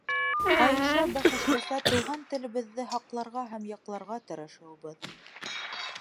Ҡайыша-бәхәсләшә туған телебеҙҙе һаҡларға һәм яҡларға тырышыуыбыҙ.